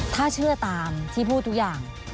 ถ้าเชื่อตามที่พูดทุกอย่าง